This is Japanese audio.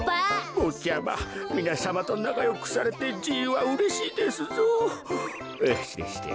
ぼっちゃまみなさまとなかよくされてじいはうれしいですぞ。